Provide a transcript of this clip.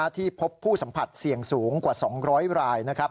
ที่พบผู้สัมผัสเสี่ยงสูงกว่า๒๐๐ราย